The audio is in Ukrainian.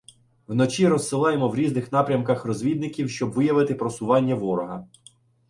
Вночі розсилаємо в різних напрямках розвідників, щоб виявити просування ворога.